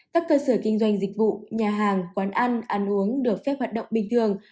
các cơ sở kinh doanh dịch vụ nhà hàng quán ăn ăn uống được phép hoạt động bình thường